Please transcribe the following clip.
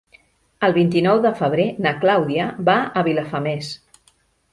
El vint-i-nou de febrer na Clàudia va a Vilafamés.